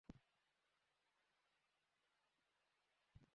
পরে একজনকে থানায় নিয়ে চোখ বেঁধে আরেক দফা বেধড়ক পেটানো হয়।